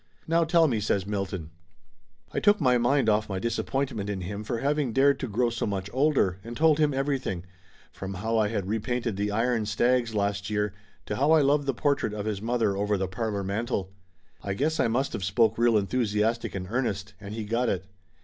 "Now tell me!" says Milton. I took my mind off my disappointment in him for having dared to grow so much older, and told him everything, from how I had repainted the iron stags last year, to how I loved the portrait of his mother over the parlor mantel. I guess I must of spoke real enthusiastic and earnest, and he got it.